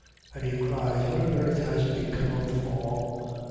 And he cries, "What on earth has become of them all?